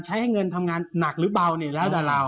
ให้เงินทำงานหนักหรือเบานี่แล้วแต่เรา